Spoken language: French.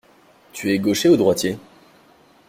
Tu es gaucher ou droitier?